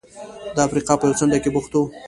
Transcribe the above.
د افریقا په یوه څنډه کې بوخت و.